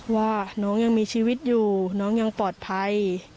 ว่าน้องยังมีชีวิตอยู่น้องยังปลอดภัย